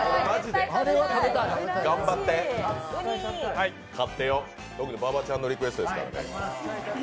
頑張って、買ってよ、特に馬場ちゃんのリクエストだからね。